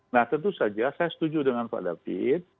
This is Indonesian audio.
nah tentu saja saya setuju dengan pak david